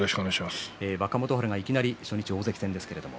若元春がいきなり初日大関戦ですけれども。